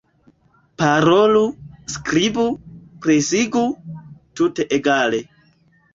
Parolu, skribu, presigu; tute egale.